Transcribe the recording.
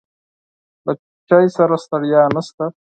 له چای سره ستړیا نشته.